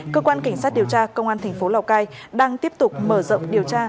cơ quan cảnh sát điều tra công an thành phố lào cai đang tiếp tục mở rộng điều tra